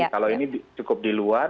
kalau ini cukup di luar